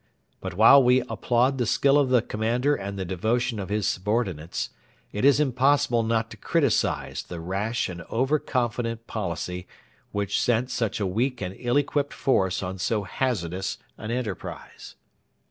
But while we applaud the skill of the commander and the devotion of his subordinates, it is impossible not to criticise the rash and over confident policy which sent such a weak and ill equipped force on so hazardous an enterprise.